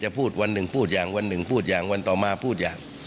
พูดวันหนึ่งพูดอย่างวันหนึ่งพูดอย่างวันต่อมาพูดอย่าง